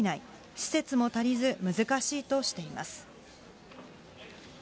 施設も足りず難しいとしています。